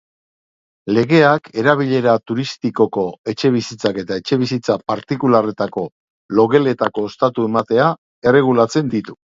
Legeak erabilera turistikoko etxebizitzak eta etxebizitza partikularretako logeletako ostatu ematea erregulatzen ditu.